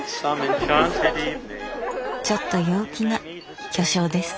ちょっと陽気な巨匠です。